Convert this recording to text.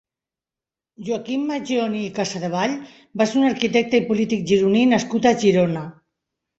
Joaquim Maggioni i Casadevall va ser un arquitecte i polític gironí nascut a Girona.